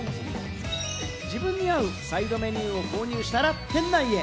自分に合うサイドメニューを購入したら店内へ。